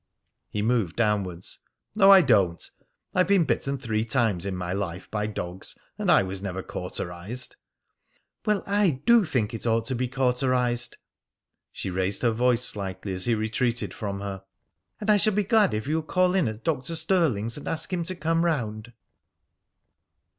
He moved downwards. "No, I don't. I've been bitten three times in my life by dogs, and I was never cauterised." "Well, I do think it ought to be cauterised." She raised her voice slightly as he retreated from her. "And I shall be glad if you'll call in at Dr. Stirling's and ask him to come round."